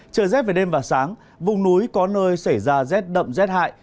trời rét về đêm và sáng vùng núi có nơi xảy ra rét đậm rét hại